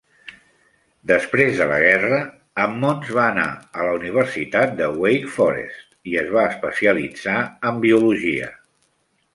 Després de la guerra, Ammons va anar a la universitat de Wake Forest i es va especialitzar en biologia.